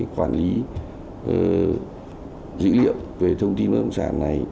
quản lý dữ liệu về thông tin bất động sản này